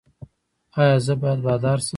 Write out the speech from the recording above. ایا زه باید بادار شم؟